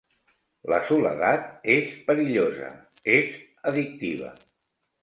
La soledat és perillosa, és addictiva.